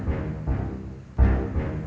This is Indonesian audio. terima kasih bang